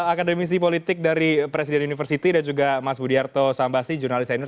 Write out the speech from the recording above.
akademisi politik dari presiden university dan juga mas budiarto sambasi jurnalis senior